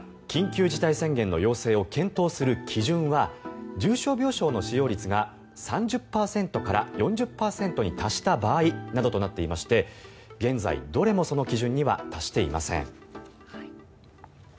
緊急事態宣言の要請を検討する基準は重症病床の使用率が３０％から４０％に達した場合などとなっていまして現在、どれもその基準には達していません。